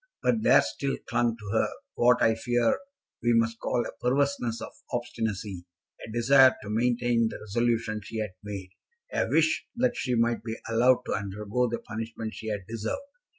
But there still clung to her what I fear we must call a perverseness of obstinacy, a desire to maintain the resolution she had made, a wish that she might be allowed to undergo the punishment she had deserved.